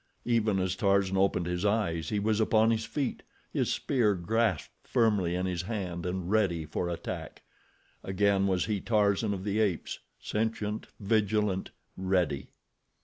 Even as Tarzan opened his eyes he was upon his feet, his spear grasped firmly in his hand and ready for attack. Again was he Tarzan of the Apes, sentient, vigilant, ready.